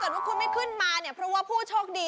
ว่าคุณไม่ขึ้นมาเนี่ยเพราะว่าผู้โชคดี